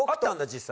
実際。